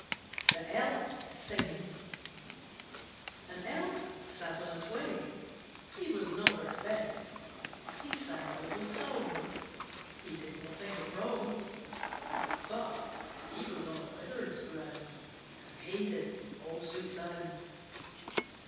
AN Elf sat on a twig, He was not very big, He sang a little song, He did not think it wrong; But he was on a Wizard's ground, Who hated all sweet sound.